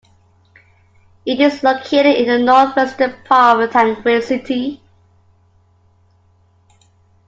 It is located in the north-western part of Taguig City.